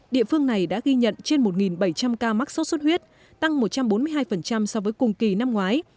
địa phương này đã ghi nhận trên một bảy trăm linh ca mắc sốt xuất huyết tăng một trăm bốn mươi hai so với cùng kỳ năm ngoái